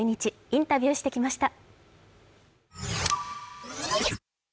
インタビューしてきました。